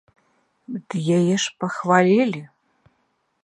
Ды яе ж пахавалі!